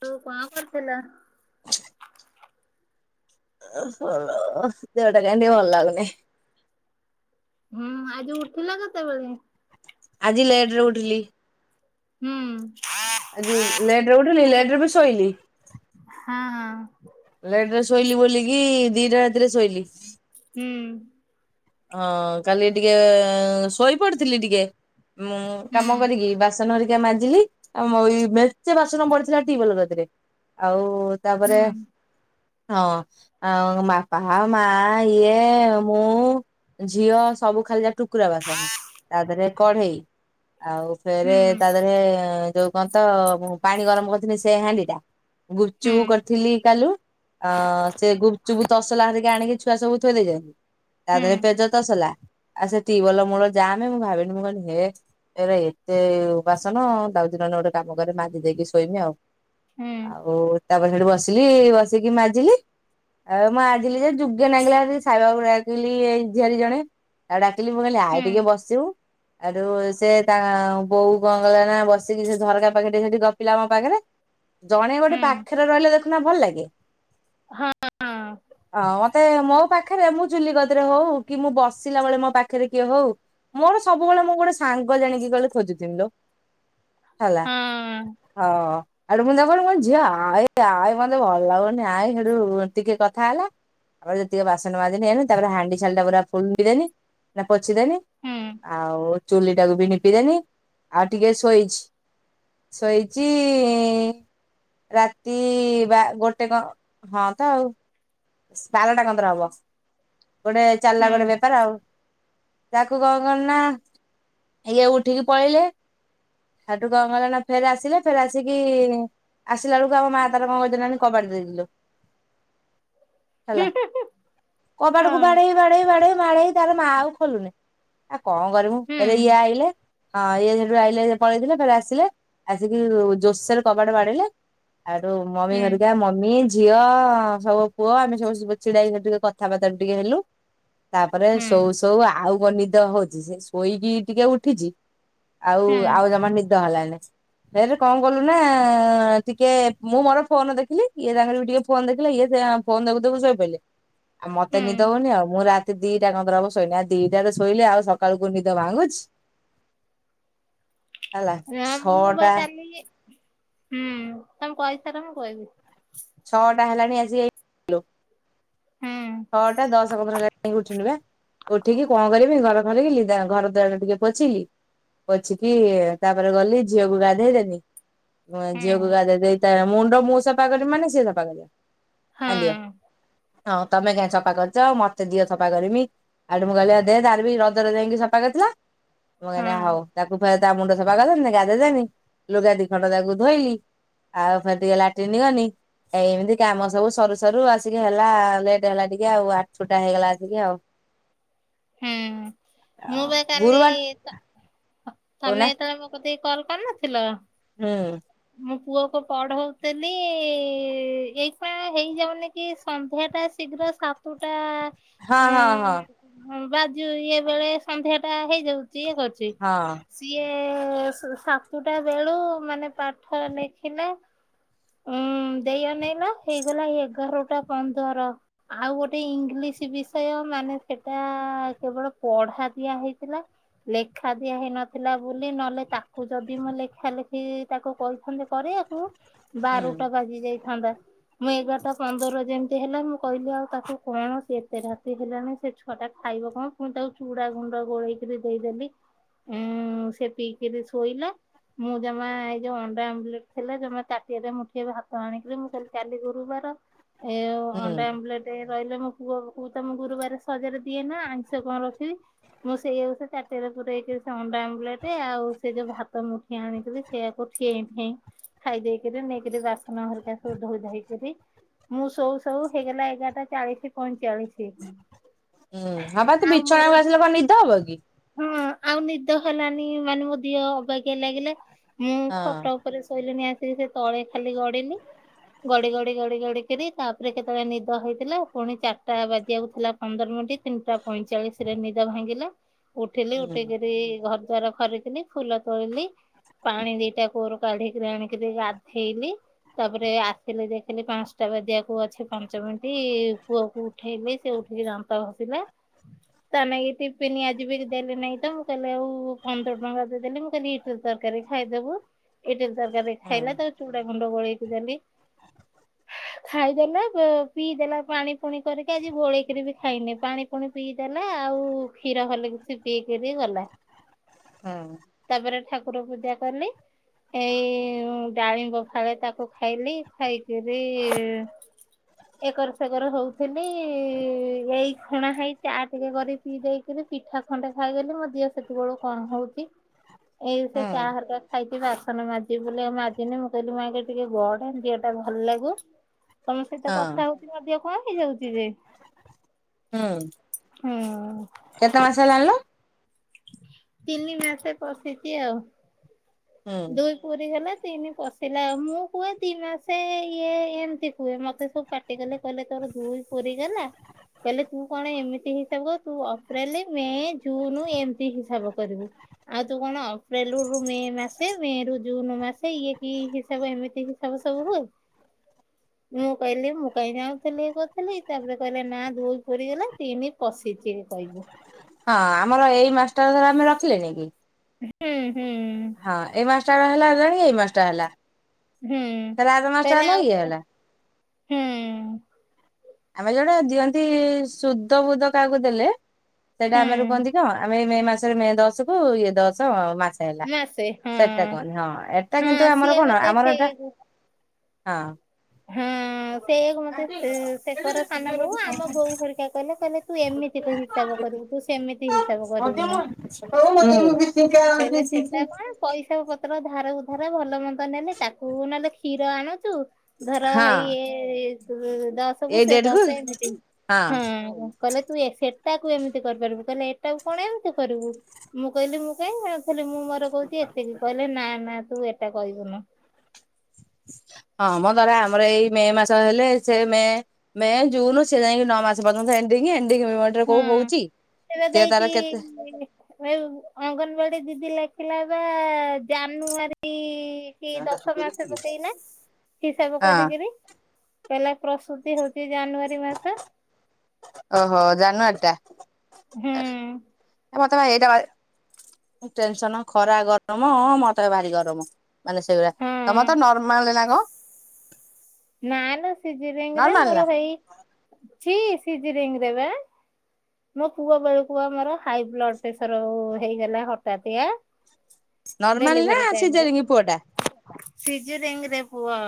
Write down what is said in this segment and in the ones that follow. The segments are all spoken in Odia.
ତୁ କଣ କରୁଥିଲା? [unintelligible] ଓହୋ ଲୋ ଦେହଟା କାଇଁ ଟିକେ ଭଲ ଲାଗୁନି। ହୁଁ ଆଜି ଉଠିଲ କେତେବେଳେ? ଆଜି ଲେଟ୍ ରେ ଉଠିଲି। ହୁଁ। ଆଜି ଲେଟ୍ ରେ ଉଠିଲି ହଁ ଲେଟ୍ ରେ ବି ଶୋଇଲି। ହଁ। ଲେଟ୍ ରେ ଶୋଇଲି ବୋଲିକି ଦିଟା ରାତିରେ ଶୋଇଲି। ହୁଁ। ହଁ କାଲି ଟିକେ ଶୋଇ ପଡ଼ିଥିଲି ଟିକେ ମୁଁ କାମ କରିକି ବାସନ ହେରିକା ମାଜିଲି ଆମରି ମେଂଚେ ବାସନ ପଡ଼ିଥିଲା ଟ୍ୟୁବଲ କତିରେ ଆଉ ହୁଁ ତାପରେ ହଁ ଆଁ ଉଁ ବାପାଃ ମା ଇଏ ମୁଁ ଝିଅ ସବୁ ଖାଲି ଯା ଟୁକୁରା ବାସନ ତା ଦେହରେ କଢ଼େଇ। ଆଉ ଫେରେ ହୁଁ ତା ଦେହରେ ଯୋଉ କନ୍ ତ ମୁଁ ପାଣି ଗରମ କରୁଥିଲି ସେ ହାଣ୍ଡି ଟା। ଗୁପ୍ ଚୁପୁ ହୁଁ କରିଥିଲି କାଲିରୁ ଅଁ ସେ ଗୁପ୍ ଚୁପୁ ତସଲା ହେରିକା ଆଣିକି ଚ୍ ଛୁଆ ସବୁ ଥୋଇ ଦେଇଛନ୍ତି ତା ହୁଁ ଦେହରେ ପେଜ ତସଲା। ଆ ସେ ଟିବୋଲ ମୂଳ ଜାମେ ମୁଁ ଭାବିଲି ମୁଁ କହିଲି ହେ ଏରେ ଏତେ ବାସନ ଯାଉଚି ନହେଲେ ଗୋଟେ କାମ କରେ ମାଜି ଦେଇକି ଶୋଇମି ଆଉ। ହୁଁ ହୁଁ ଆଉ ତାପରେ ସେଠି ବସିଲି ବସିକି ମାଜିଲି। ଆଉ ମୁଁ ମାଜିଲି ଯେ ଯୁଗେ ଲାଗିଲା ଜେ ସାଇବାବା କୁ ଡାକିଲି ଏଇ ଝିଆରି ଜଣେ ଆଉ ଡାକିଲି ମୁଁ କହିଲି ଆଇ ଟିକେ ବସିବୁ। ଆଠୁ ସେ ତା ବୋଉ କଣ କଲା ନା ବସିକି ସେ ଝରକା ପାଖେ ଟିକେ ସେଠି ଗପିଲା ମୋ ପାଖରେ। ଜଣେ ହୁଁ ଗୋଟେ ହୁଁ ପାଖରେ ରହିଲେ ଦେଖୁନା ଭଲ ଲାଗେ। ହଁ ହ ମତେ ମୋ ପାଖରେ ମୁଁ ଚୁଲି କତିରେ ହଉ କି ମୁଁ ବସିଲା ବେଳେ ମୋ ପାଖରେ କିଏ ହଉ ମୋର ସବୁବେଳେ ମୁଁ ଗୋଟେ ସାଙ୍ଗ ଜାଣିକି କହିଲେ ଖୋଜୁଥିଲି ଲୋ। ହେଲା ହଁ-ଅ-ଅ-ଅ, ହଁ, ହେଇଟୁ ମୁ ତାକୁ କହିଲି ମୋ ଝିଅ ଆଇ ଆଏ ମତେ ଭଲ ଲାଗୁନି ଆଏ ସେଠୁ ଟିକେ କଥା ହେଲା। ତାପରେ ଯେତିକି ବାସନ ମାଜିନି ହେନି ତାପରେ ହାଣ୍ଡିଶାଳ ଟା ପୁରା ଫୁଲ ଧୋଇଦେଲି ନା ପୋଛିଦେନି। ହୁଁ ଆଉ ଚୁଲି ଟାକୁ ବି ନିପିଦେଲି ଆଉ ଟିକେ ଶୋଇଛି। ଶୋଇଛି-ଇ-ଇ-ଇ ରା ତି-ଇ-ଇ-ଇ ବା ଗୋଟେ କଣ ହଁ ତ ଆଉ ବାରଟା ପନ୍ଦର ହବ ଗୋଟେ ଚାଲିଲା ହୁଁ ଗୋଟେ ବେପାର ଆଉ। ତାକୁ କଣ କନିଲି ନା ଇଏ ଉଠିକି ପଳେଇଲେ ସେଠୁ କଣ କଲା ନା ଫେରେ ଆସିଲେ ଫେରେ ଆସିକି-ଇ-ଇ-ଇ ଆସିଲା ବେଳକୁ ଆମ ମା ତାର କଣ କରିଛି ନା ନୀ କବାଟ ଦେଇ ଦେଲୁ। ହେଲା କବାଟକୁ ହଁ ବାଡେଇ ବାଡେଇ ବାଡେଇ ବାଡେଇ ତାର ମା ଆଉ ଖୋଲୁନି। ଆ କଣ କରିବୁ ହୁଁ ଏରେ ଇଏ ଆଇଲେ ହଁ ଇଏ ସେଠୁ ଆଇଲେ ପଳେଇଥିଲେ ଫେରେ ଆସିଲେ ଆସିକି ଜୋରସରେ କବାଟ ବାଡେ଼ଇଲେ। ଆ ସେଇଠୁ ମମି ହୁଁ ଘେରିକା ମମି, ଝିଅ-ଅ-ଅ-ଅ ସବୁ ପୁଅ ଆମେ ସବୁ ସ ଛିଡା ହେଇକି ଟିକେ କଥାବାର୍ତା ଟିକେ ହେଲୁ। ତାପରେ ଶୋଉ ଶୋଉ ଆଉ କଣ ନିଦ ହଉଛି ସେ ଶୋଇକି ଟିକେ ଉଠିଛି। ହୁଁ ଆଉ ହୁଁ ଆଉ ଜମା ନିଦ ହେଲାନି। ହେଲେ କଣ କଲୁ ନା-ଆ-ଆ-ଆ-ଆ ଟିକେ ମୁଁ ମୋର ଫୋନ ଦେଖିଲି ଇଏ ତାଙ୍କର ବି ଟିକେ ଫୋନ ଦେଖିଲେ ଇଏ ସେ ଫୋନ ଦେଖୁ ଦେଖୁ ସୋଇ ପଇଲେ। ଆଉ ମତେ ନିଦ ହୁଁ ହଉନି ଆଉ। ମୁଁ ରାତି ଦିଟା କନ୍ଦର ହବ ଶୋଇନି। ଆଉ ଦିଇଟାରେ ଶୋଇଲେ ଆଉ ସକାଳକୁ ନିଦ ଭାଙ୍ଗୁଛି। ହେଲା ନା ଛଅ ମୁଁ ଟା [unintelligible] ହୁଁ ତମେ କହି ସାର ମୁଁ କହିବି। ଛଅଟା ହେଲାଣି ଆସିକି [inaudible] ହୁଁ ଛଅଟା ଦଶ ପନ୍ଦର ହେଲାଣି କାଇଁ ଉଠିନୁବା ଉଠିକି କଣ କରିବି ଘର ଖରିକିଲି ଲିଜା ଘର ଦ୍ବାର ଟିକେ ପୋଛିଲି। ପୋଛିକି ତାପରେ ଗଲି ଝିଅକୁ ଗାଧେଇ ଦେନି। ଝିଅକୁ ହୁଁ ଗାଧେଇଦେଇ ତାର ମୁଣ୍ଡ ମୁଁ ସଫା କରିବି ମାନେ ସିଏ ସଫା କରିବ। ହଁ କାନ୍ଦିବ, ହଁ ତମେ କାହିଁ ସଫା କରିଛ ମତେ ଦିଅ ସଫା କରିମି। ଆଠୁ ମୁଁ କହିଲି ଦେ ତାର ବି ରଜରେ ଯାଇକି ସଫା କରିଥିଲା ମୁ କହିନି ହଁ ହଉ। ତାକୁ ଫେରେ ତା ମୁଣ୍ଡ ସଫା କରିଦେନି ଗାଧେଇଦେନି ଲୁଗା ଦି ଖଣ୍ଡ ତାକୁ ଧୋଇଲି। ଆଉ ଫେରେ ଟିକେ ଲାଟିନି ଗନି। ଏ ଏମିତି କାମ ସବୁ ସରୁ ସରୁ ଆସିକି ହେଲା ଲେଟ ହେଲା ଟିକେ ଆଉ ଆଠୁଟା ହେଇଗଲା ଆସିକି ଆଉ। ହୁଁ ମୁଁ ବା ଗୁରୁବାର କାଲି-ଇ-ଇ-ଇ ତ କହୁନା ତମେ ଯେତେବେଳେ ମୋ କତିକି କଲ୍ କରିନଥିଲ ହୁଁ, ମୋ ପୁଅକୁ ପଢଉଥିଲି-ଇ-ଇ-ଇ ଏଇପା ହେଇଯାଉନି କି ସନ୍ଧ୍ୟାଟା ଶୀଘ୍ର ସାତୁଟା-ଆ-ଆ-ଆ ହଁ ହଁ ହଁ, ହଁ ବାଜୁ ଇଏ ବେଳେ ସନ୍ଧ୍ୟା ଟା ହେଇଯାଉଛି ଇଏ କରୁଛି। ହଁ। ସିଏ ସାତୁଟା ବେଳୁ ମାନେ ପାଠ ନେଖିଲା- ଉଁ ଦେଇ ଅନେଇଲ ହେଇଗଲା ଏଗାରଟା ପନ୍ଦର। ଆଉ ଗୋଟେ ଇଙ୍ଗଲିଶ ବିଷୟ ମାନେ ସେଟା କେବଳ ପଢା ଦିଆ ହେଇଥିଲା ଲେଖା ଦିଆ ହେଇ ନଥିଲା ବୋଲି ନହେଲେ ତାକୁ ଯଦି ମୁଁ ଲେଖା ଲେଖି ତାକୁ କହିଥାନ୍ତି କରିବାକୁ ବାରୁ ହୁଁ। ଟା ବାଜି ଯାଇଥାନ୍ତା। ମୁଁ ଏଗାରଟା ପନ୍ଦର ଯେମିତି ହେଲା ମୁଁ କହିଲି ଆଉ ତାକୁ କଣ ସଏ ଏତେ ରାତି ହେଲାଣି ସେଠୁ ଛୁଆ ଟା ଖାଇବ କଣ ପୁଣି ତାକୁ ଚୁଡା ଗୁଣ୍ଡ ଗୋଳେଇକିରି ଦେଇଦେଲି ଉଁ ସେ ପିଇକିରି ଶୋଇଲା। ମୁଁ ଜମା ଏଇ ଯୋଉ ଅଣ୍ଡା ଆମ୍ବୁଲେଟ ଥିଲା ଜମା ତା ଟାଟିଆରେ ମୁଠିଏ ଭାତ ଆଣିକିରି ମୁ କହିଲି କାଲି ଗୁରୁବାର ଏ ହୁଁ ଅଣ୍ଡା ଆମ୍ବଲେଟ ରହିଲେ ମୁ କୁ ଗୁରୁବାରେ ସହଜରେ ଦିଏ ନା ଆଇଁଷ କଣ ରଖିବି - ମୁଁ ସେଇଆକୁ ତ ତାଟିଆରେ ପୁରେଇକିରି ସେ ଅଣ୍ଡା ଆମ୍ଲେଟ ଆଉ ସେ ଯୋଉ ଭାତ ମୁ- ଆଣିଥିଲି ସେଇଆକୁ ଠିଏଁ ଠିଁଏ ଖାଇ ଦେଇକି ନେଇକିରି ବାସନ ହେରିକା ସବୁ ଧୋଇଧାଇ କରି - ମୁଁ ଶୋଉ ଶୋଉ ହେଇଗଲା ଏଗାରଟା ଚାଳିଶ ପଇଁ ଚାଳିଶି। ହୁଁ ହ ବା ତୁ ବିଛଣାକୁ ଆସିଲେ କଣ ନିଦ ହବ କି? ହୁଁ ଆଉ ନିଦ ହେଲାନି ମାନେ ମୋ ଦିହ ଅବାକିଆ ଲାଗିଲା ମୁଁ ହଁ ଖଟ ଉପରେ ଶୋଇଲିନି ଆସିକି ସେ ତଳେ ଖାଲି ଗଡିଲି - ଗଡି ଗଡି ଗଡି ଗଡି କିରି ତାପରେ କେତେବେଳେ ନିଦ ହେଇଥିଲା ପୁଣି ଚାରଟା ବାଜିବାକୁ ଥିଲା ପନ୍ଦର ମିନିଟ ତିନିଟା ପଇଁଚାଳିଶ ରେ ନିଦ ଭାଙ୍ଗିଲା ଉଠିଲି ହୁଁ। ଉଠିକିରି ଘ - ଦ୍ବାର ଖରିକିଲି ଫୁଲ ତୋଳିଲି ପାଣି ଦିଟା କୁଅରୁ କାଢିକିରି ଆଣି ଲି ଗାଧେଇଲି ତାପରେ ଆସିଲି ଦେଖିଲି ପାସଷ୍ଟା ବାଜିଆକୁ ଅଛି ପାଞ୍ଚ ମିନିଟ ପୁଅକୁ ଉ ଉଠେଇଲି ସେ ଉଠିକି ଦାନ୍ତ ଘଷିଲା - ତାଲାଗି ଟିପିନି ଆଜିିବି ଦେଲି ନାଇଁ ତ ମୁଁ କହିଲି ଆଉ ପନ୍ଦର ଟଙ୍କା ଦେଇଦେଲି ମୁଁ କହିଲି ଇଟିଲି ତରକାରୀ ଖାଇଦବୁ ଇଟଲି ତରକାରୀ ହୁଁ ଖାଇଲା ତାକୁ ଚୁଡା ଗୁଣ୍ଡ ଗୋଳେଇକି ଦେଲି- ଖାଇଦେଲା ପୋ ପିଇଦେଲା ପାଣି ପୁଣି କରିକି ଆଜି ଗୋଳେଇକିରି ବି ଖାଇନି ପାଣି ପୁଣି ପିଇଦେଲା ଆଉ କ୍ଷୀର ହଲିକିସ ପିଇକିରି ଗଲା। ହଁ। ତାପରେ ଠାକୁର ପୂଜା କଲି ଏଇ ମୁ ଡାଳିମ୍ବ ଫାଳେ ତାକୁ ଖାଇଲି ଖାଇକିରି ଏକର ସେକର ହଉଥିଲି ଏଇ ଖୁଣା ହୋଇଛି ଚା ଟିକେ କରି ପି ଦେଇକରି ପିଠା ଖଣ୍ଡେ ଖାଇଦେଲି ମୋ ଦିଅ ସେତେବେଳୁ କଣ ହଉଛି। ଏଇ ସେ ହୁଁ ଚାହା ହରକା ଖାଇଛି ବାସନ ମାଜି ବଲେ ମା ଦିନେ ମୁଁ କହିଲି ମାକେ ଟିକେ ଗଢଡ ଝିଅ ଟା ଭଲ ଲାଗୁ ତମ ସହିତ ହଁ କଥା ହଉ କଣ ହେଇଯାଉଛି ଯେ? ହୁଁ ହୁଁ କେତେ ମାସ ହେଲାଣିଲୋ? ତିନି ମାସ ପଶିଛି ଆଉ ହୁଁ। ଦୁଇ ପୁରୀ ଗଲା ତିନି ପଶିଲା ଆଉ ମୁଁ କୁହେ ଦି ମାସେ ଇଏ ଏମିତି କୁହେ ମତେ ସବୁ ପା କେତେ କହିଲେ ତୋର ଦୁଇ ପୁରିଗଲା। କହିଲେ ତୁ କଣ ଏମିତି ହିସାବ ତୁ ଅପ୍ରିଲ ମେ ଜୁନ ଏମିତି ହିସାବ କରିବୁ। ଆଉ ତୁ କଣ ଅପ୍ରେଲୁରୁ ମେ ମାସ - ମେ ରୁ ଜୁନ ମାସେ ଇଏ କି ହିସାବ ଏମିତି ହିସାବ ସବୁ ହୁଏ। ମୁଁ କହିଲି ମୁଁ କାଇହିଁ ଯାଉଥିଲି କଥିଲି ତାପରେ କହିଲେ ନା ଦୁଇ ପୁରିଗଲା ତିନି ପଶିଛି କହିବୁ। ହଁ ଆମର ଏଇ ମାସଟା ଧର ଆମେ ରଖିଲେଣି କି? ହୁଁ ହୁଁ। ହଁ ଏଇ ମାଷ୍ଟଟର ହେଲାଣି ଏଇ ମାଷ୍ଟଟା ହେଲା ହୁଁ ଖରା ତ କହିଲେ ଆଉ ମାଷ୍ଟଲାଏ ହେଲା। ହୁଁ ଆମେ ଜୋଟେ ଦିଅନ୍ତି ଶୁଧ ବୁଧ କାହାକୁ ଦେଲେ ସେଇଟା ଆମର ହୁଁ କହନ୍ତି କଣ ଆମେ ମେ ମାସରେ ମେ ଦଶ କୁ ଇଏ ଦଶ ମାସ। ହେଲା ମାସେ ହଁ ସେଟା କନ୍ ହଁ ଏଟା ହଁ କିନ୍ତୁ ଆମର ସିଏ କଣ ମତେ ଆମର ଏଟା ସେଇ ହଁ। ହଁ ସେଇଆକୁ ମତେ ସେ ପର ସାନ ବୋଉ ଆମ ବୋଉ ହରିକା କଇଲେ କଇଲେ ତୁ ଏମିତି କ ହିସାବ କରିବୁ ତୁ ସେମିତି ହିସାବ କରିବୁନୁ। ହୋଉ ମତେ ମୁଁ ବି ସିଙ୍କା କହିଲେ ସେଟା ସିଚିଚି କଣ ପଇସା ପତ୍ର ଧାର ଉଧାର ଭଲ ମନ୍ଦ ନେଲେ ତାକୁ ନହେଲେ କ୍ଷୀର ଆଣନ୍ତୁ ଧର ହେଇ ଏ ଦଶକୁ ସେ ଡେଟ କୁ ଦଶ ଏମିତି ହଁ ହୁଁ। କଇଲେ ତୁ ସେଟାକୁ ଏମିତି କରିପାରିବୁ କଇଲେ ଏଟାକୁ କଣ ଏମ୍ତି କରିବୁ। ମୁଁ କହିଲି ମୁଁ କାଇଁ ଖାଲି ମୁଁ ମୋର କହୁଛି ଏତିକି କହିଲେ ନା ନା ତୁ ଏଟା କହିବୁନୁ। [inaudible] ହଁ ଆମର ଏଇ ମେ ମାସ ହେଲେ ସେ ମେ ମେ ଜୁନୁ ସେ ଯାଇ ନ ମାସ ପର୍ଯ୍ୟନ୍ତ ଏଣ୍ଡିଙ୍ଗି ଏଣ୍ଡିଙ୍ଗି ମେ ହୁଁ ସେ ବୋଧେ ଏଇଟି ଏ ଅଙ୍ଗନବାଡି ଦିଦି ଲେଖିଲା ବା ଜାନୁଆରୀ କି ଦଶ ମା ମାସ ପକେଇନା ହିସାବ ହଁ କରିକିରି। କହିଲା ପ୍ରସୁତି ହୋଉଚି ଜାନୁଆରୀ ମାସ। ଓହୋ ଜାନୁଆରୀଟା ହୁଁ ଏ ମତେ ଏଇଟା ବା ଟେନ୍ ସନ ଖରା ଗରମ ମତେ ଭାରି ଗରମ‌। ମାନେ ସେଉରା ହଁ ତମ ତ ନର୍ମାଲ ହେଲା କଁ ନା ନା ସିଜିରିଙ୍ଗିରେ ନର୍ମାଲ ନା? ମୋର ହେଇ ଛି ସିଜିରିଙ୍ଗରେ ବେ। ମୋ ପୁଅ ବେଳୁକୁ ପା ମୋର ହାଇ ବ୍ଲଡ୍ ପ୍ରେସର ହେଇଗଲା ହଠାତିଆ। [inaudible] ନର୍ମାଲ୍ ନା ସିଝରଙ୍ଗ୍ ପୁଅ ଟା? ସିଜରିଙ୍ଗ୍ ରେ ପୁଅ।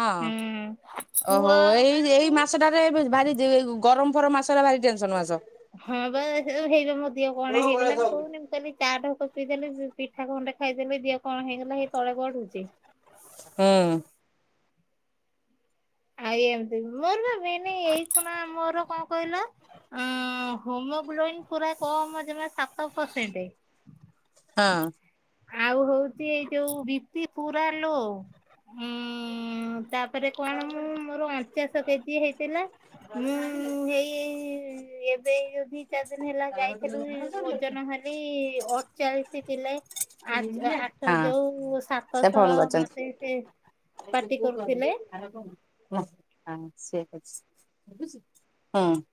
ହଁ ହୁଁ ଓହୋ ପୁଅ ଏଇ ଏଇ ବେଳକୁ ମାସଟା ଭାରି ଯେ ଗରମ୍ ଫରମ୍ ମାସରା ଭାରି ଟେନ୍ ସନ୍ ମାସ। ହଁ ବା ସେଇ ହେଇପା ମୋ ଦିହ କଣ ହେଇଗଲା ମୁ କୋହୁନି ମୁ କାଲି ଚା ଢୋକ ପିଇଦେଲେ ପିଠା ଖଣ୍ଡେ ଖାଇଦେଲେ ଦିଅ କଣ ହେଇଗଲା ହେଇ ତଳେ ଗଡୁଚି। ହୁଁ। ଆଇ ଏମ୍ ତି ମୋର ପା ମେନେ ଏଇଖୁନା ମୋର କଣ କହିଲ ଉଁ ହୋମୋଗ୍ଲୋଇନ୍ ପୁରା କମ ଜମା ସାତ ପରସେଣ୍ଟେ। ହଁ। ଆଉ ହୋଉଚି ଏଇ ଯୋଉ ବିପି ପୁରା ଲୋ। ହୁଁ ତାପରେ କଁ ମୁଁ ମୋର ଅଞ୍ଚାଶ କେଜି ହେଇଥିଲା ମୁଁ ହେଇ ଏବେ ଏଇ ଯୋଉ ଦି ଚାରି ଦିନ ହେଲା ଯାଇଥିଲୁ ଓଜନ ହେଲି ଅ ଚାଳିଶି କିଲେ ଆ ଆଠ ହଁ ଯୋଉ ସାତଶହ ମତେ ସିଏ ଆ ସେ କୋଉ କ ଆର କ? [unintelligible]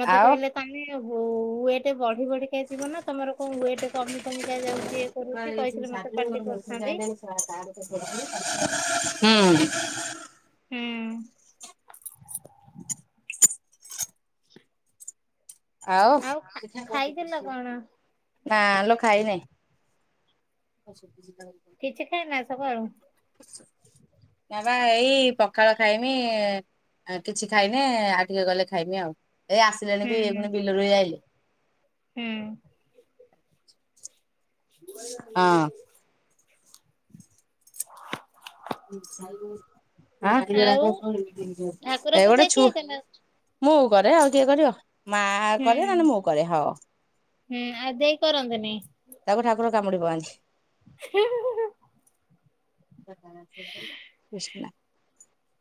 ମତେ କହିଲେ ତମେ ହୁ ୱେଟେ୍ ବଢି ବଢି ହେଇଥିବ ନା ତମର କୋଉ ୱେଟ୍ କମି କମି କା ଯାଉଚି ଇଏ କରୁଚି କହିକିରି ମତେ ପାଟି କରୁଥାନ୍ତି। ହୁଁ। ହୁଁ। ଆଉ। ଖା ଖାଇଥିଲ କଣ ନା ଲୋ ଖାଇନେଇ। କିଛି ଖାଇନା ସଖାଳୁ? ନାପା ଏଇ ପଖାଳ ଖାଇମି। ଆ କିଛି ଖାଇନି ଆଉ ଟିକେ ଗଲେ ଖାଇମି ଆଉ ଏଇ ଆସିଲେଣି ବି ଇଏ ହୁଁ ଫୁଣି ବିଲରୁ ଏଇ ଆଇଲେ। ହୁଁ। ହଁ [unintelligible] ଏଇ ଆଉ ଠାକୁର ଗୋଟିଏ ପୂଜା ଛୁ କିଏ କଲା ମୁଁ କରେ ଆଉ କିଏ କରିବ ମା ହୁଁ କରେ ନହଲେ ମୁଁ କରେ ହଉ। ହୁଁ ଆଉ ଦେଇ କରନ୍ତିନି? ତାକୁ ଠାକୁର କାମୁଡି ପକାନ୍ତି। କୃଷ୍ଣ।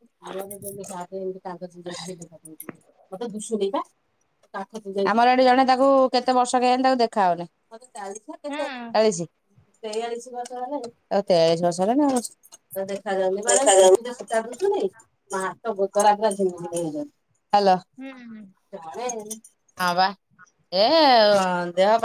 [unintelligible] ମୁଁ ଏମିତି କାହାପାଇଁ କାଣ୍ଡ [unintelligible] [unintelligible] ଆମର ଏଠି ଜଣେ ତାକୁ କେତେ ବର୍ଷ କେଜାଣି ତାକୁ ଦେଖା ହଉନି। ଚାଳିଶ ହଁ ତେୟାଳିସ ଆଉ ତେୟାଳିଶ ବର୍ଷ ହେଲାଣି ଆଉ। [unintelligible] ଦେଖାଯ ଯାଉ [unintelligible] ମାନେ [unintelligible] ଛୁ [unintelligible] ଶଖା [unintelligible] କରୁୁ ମୋ ହାତ ଗୋତରା ପୁରା ଝିମିଝିମି ହେଇଯାଉଛି। ହୁଁ ହଁ। ହ ବା। ହ। [unintelligible] [inaudible] ଏ ଦେହ [unintelligible]